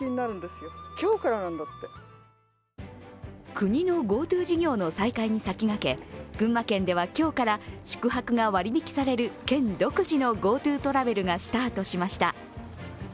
国のＧｏＴｏ事業の再開に先駆け、群馬県では今日から宿泊が割引される県独自のＧｏＴｏトラベルがスタートしました。